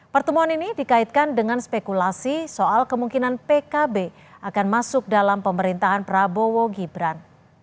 pertemuan ini dikaitkan dengan spekulasi soal kemungkinan pkb akan masuk dalam pemerintahan prabowo gibran